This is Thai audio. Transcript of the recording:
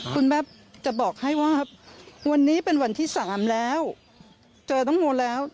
คุณแม่จะบอกให้ว่าวันนี้เป็นวันที่๓แล้วเจอน้องโมแล้ว